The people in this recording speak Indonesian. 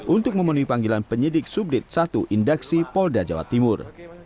untuk memenuhi panggilan penyidik subdit satu indaksi polda jawa timur